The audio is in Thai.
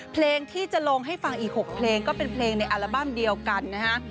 เพลงที่จะลงให้ฟังอีก๖เพลงก็เป็นเพลงในอัลบั้มเดียวกันนะฮะ